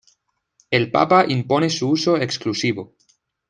El papa impone su uso exclusivo.